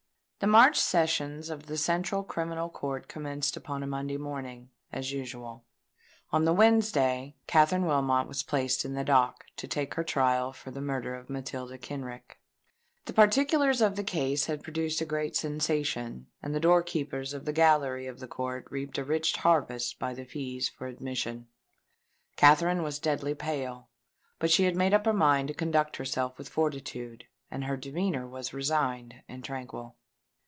The March sessions of the Central Criminal Court commenced upon a Monday morning, as usual. On the Wednesday Katherine Wilmot was placed in the dock, to take her trial for the murder of Matilda Kenrick. The particulars of the case had produced a great sensation; and the door keepers of the gallery of the court reaped a rich harvest by the fees for admission. Katherine was deadly pale; but she had made up her mind to conduct herself with fortitude; and her demeanour was resigned and tranquil.